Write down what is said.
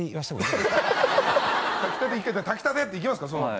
「炊き立て」っていきますか？